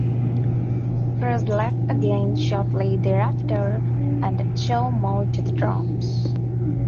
Chris left again shortly thereafter, and Joe moved to the drums.